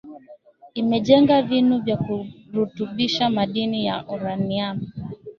imejenga vinu vya kurutubisha madini ya uranium